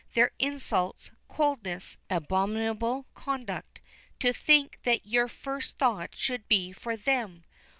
Their insults, coldness, abominable conduct, to think that your first thought should be for them.